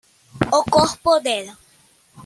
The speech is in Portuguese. O corpo dela